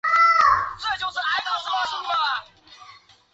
几内亚指西非几内亚湾沿岸地区。